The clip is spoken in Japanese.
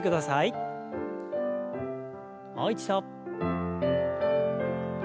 もう一度。